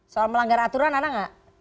soal melanggar aturan ada nggak